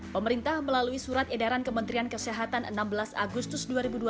pemerintah melalui surat edaran kementerian kesehatan enam belas agustus dua ribu dua puluh